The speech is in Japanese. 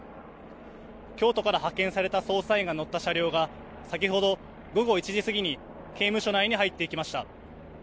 京都から派遣された捜査員が乗った車両が先ほど午後１時過ぎに刑務所内に入っていきました。